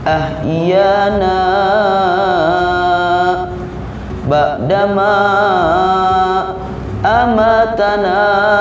ah iya na bak dama amatana